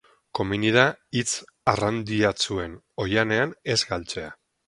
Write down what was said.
Komeni da hitz arrandiatsuen oihanean ez galtzea.